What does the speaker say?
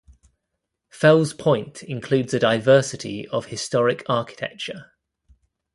Fell's Point includes a diversity of historic architecture.